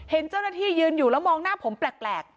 เห็นเจ้าหน้าที่ยืนอยู่แล้วมองหน้าผมแปลก